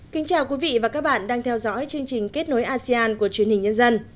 xin chào các bạn đang theo dõi chương trình kết nối asean của truyền hình nhân dân